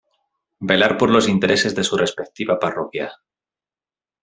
Velar por los intereses de su respectiva parroquia.